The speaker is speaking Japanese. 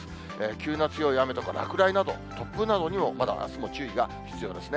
急な強い雨とか落雷など、突風などにもまだあすも注意が必要ですね。